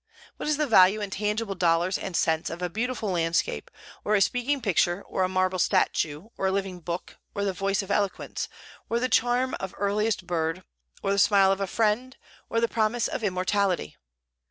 What is the value in tangible dollars and cents of a beautiful landscape, or a speaking picture, or a marble statue, or a living book, or the voice of eloquence, or the charm of earliest bird, or the smile of a friend, or the promise of immortality?